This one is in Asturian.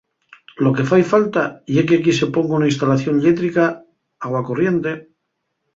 Lo que fai falta ye qu'equí se ponga una instalación llétrica, agua corriente.